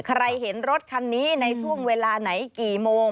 เห็นรถคันนี้ในช่วงเวลาไหนกี่โมง